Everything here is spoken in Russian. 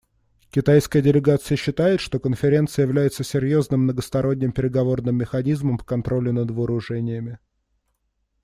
Китайская делегация считает, что Конференция является серьезным многосторонним переговорным механизмом по контролю над вооружениями.